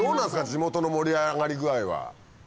地元の盛り上がり具合は。